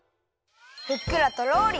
ふっくらとろり